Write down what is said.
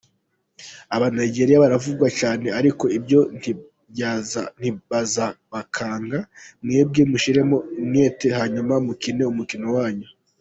Aba Nigeria baravuga cyane ariko ibyo ntibazabakange, mwebwe mushyireho umwete hanyuma mukine umukino wanyu,".